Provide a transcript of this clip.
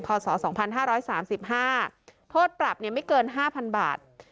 พศสองพันห้าร้อยสามสิบห้าโทษปรับเนี้ยไม่เกินห้าพันบาท